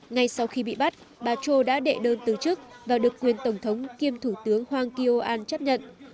ngay sau khi bị bắt bà cho đã đệ đơn từ chức và được quyền tổng thống kiêm thủ tướng hwang ki o an chấp nhận